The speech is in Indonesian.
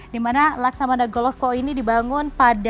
dimana laksamana golovko ini dibangun pada dua ribu dua belas